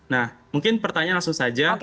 nah mungkin pertanyaan langsung saja